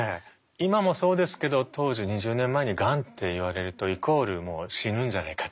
今もそうですけど当時２０年前にがんって言われるとイコールもう死ぬんじゃないかっていう。